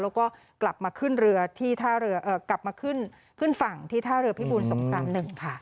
แล้วก็กลับมาขึ้นเรือที่ท่าเรือเอ่อกลับมาขึ้นขึ้นฝั่งที่ท่าเรือพี่บูรสกตามหนึ่งค่ะ